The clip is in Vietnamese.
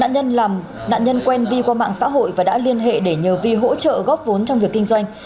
nạn nhân quen vi qua mạng xã hội và đã liên hệ để nhờ vi hỗ trợ góp vốn trong việc kinh doanh